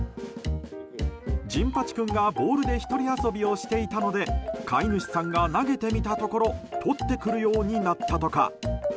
じんぱち君がボールで一人遊びをしていたので飼い主さんが投げてみたところ取ってくるようになったとか。